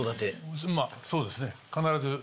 まぁそうですね。